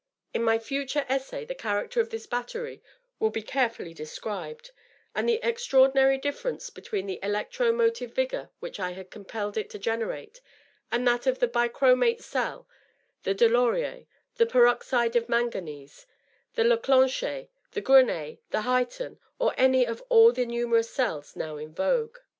In my future essay the character of this battery will be carefully described, and the extraordinary difference between the electro motive vigor which I had compelled it to generate and that of the Bichromate cell, the Delaurier, the Peroxide of Manganese, the Leclanch^, the Grenet, the Highton, or any of all the numerous cells now in vogue.